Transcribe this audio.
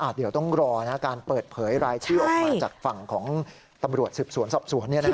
เดี๋ยวต้องรอการเปิดเผยรายชื่อออกมาจากฝั่งของตำรวจสืบสวนสอบสวน